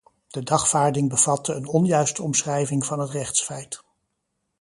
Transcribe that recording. De dagvaarding bevatte een onjuiste omschrijving van het rechtsfeit.